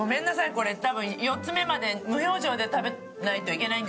これ多分４つ目まで無表情で食べないといけないんですよね？